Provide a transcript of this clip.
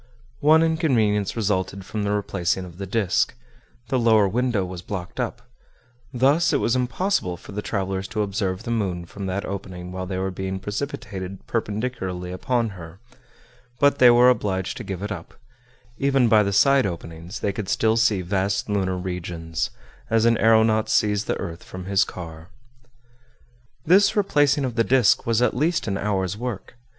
One inconvenience resulted from the replacing of the disc, the lower window was blocked up; thus it was impossible for the travelers to observe the moon from that opening while they were being precipitated perpendicularly upon her; but they were obliged to give it up; even by the side openings they could still see vast lunar regions, as an aeronaut sees the earth from his car. This replacing of the disc was at least an hour's work.